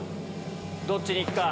どっちに行くか？